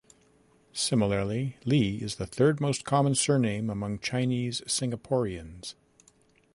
Similarly, Lee is the third-most-common surname among Chinese Singaporeans.